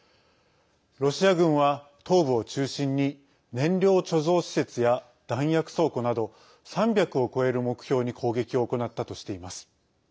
ロシア軍は東部を中心に燃料貯蔵施設や弾薬倉庫など３００を超える目標に攻撃を行ったとしています。